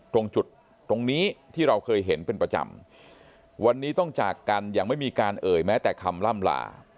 ตรงจุดตรงนี้ที่เราเคยเห็นเป็นประจำวันนี้ต้องจากกันอย่างไม่มีการเอ่ยแม้แต่คำล่ำลา